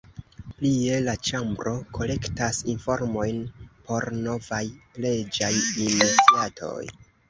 Plie la Ĉambro kolektas informojn por novaj leĝaj iniciatoj.